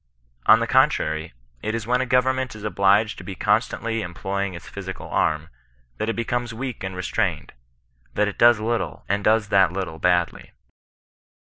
On the con trary, it is when a government is obliged to be con stantly employing its physical arm, that it becomes weak and restrained — that it does little, and does that little badly.